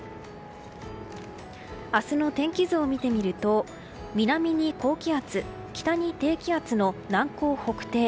明日の天気図を見てみると南に高気圧北に低気圧の南高北低。